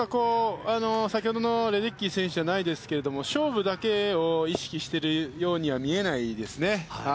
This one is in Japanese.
先ほどのレデッキー選手じゃないですけど勝負だけを意識しているようには見えないですね。